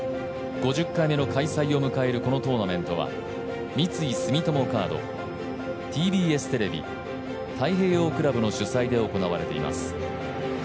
５０回目の開催を迎えるこのトーナメントは三井住友カード、ＴＢＳテレビ太平洋クラブの主催で行われております。